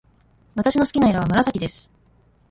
私の好きな色は紫です。